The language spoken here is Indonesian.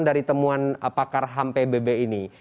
dari temuan pakar ham pbb ini